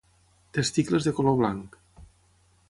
Testicles de color blanc.